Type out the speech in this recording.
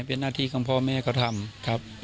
เป็นหน้าที่ของพ่อแม่เขาทำครับ